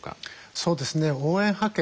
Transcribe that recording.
そうですね応援派遣